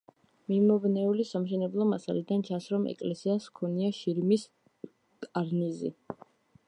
მიმობნეული სამშენებლო მასალიდან ჩანს, რომ ეკლესიას ჰქონია შირიმის კარნიზი.